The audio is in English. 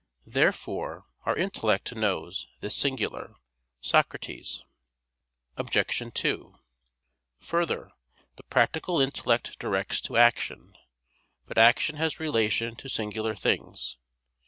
Therefore our intellect knows this singular, Socrates. Obj. 2: Further, the practical intellect directs to action. But action has relation to singular things.